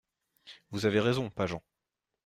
«Vous avez raison, Pageant.